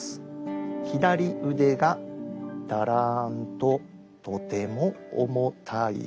「左腕がだらんととても重たい」。